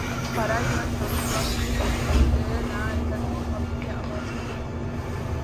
Par ailleurs, sa toiture était dotée d'un revêtement fabriqué à partir de plomb.